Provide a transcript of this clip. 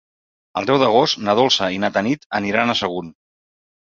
El deu d'agost na Dolça i na Tanit aniran a Sagunt.